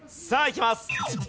さあいきます。